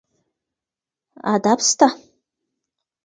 ادب سته.